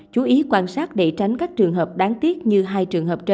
chú ý quan sát để tránh các trường hợp đáng tiếc như hai trường hợp trên